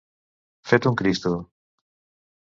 Fet un Cristo.